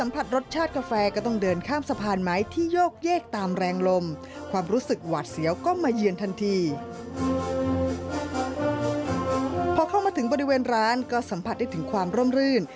พอเข้ามาถึงบริเวณร้านก็สัมผัสได้ถึงความร่มรื่น